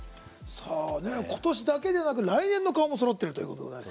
今年だけではなく来年の顔もそろってるということで。